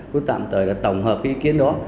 thì tạm thời tổng hợp ý kiến đó